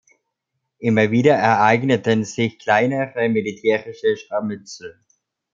Immer wieder ereigneten sich kleinere militärische Scharmützel.